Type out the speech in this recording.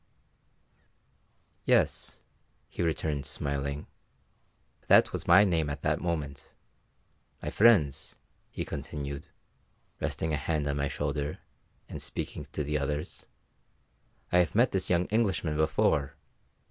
"Yes," he returned, smiling, "that was my name at that moment. My friends," he continued, resting a hand on my shoulder, and speaking to the others, "I have met this young Englishman before.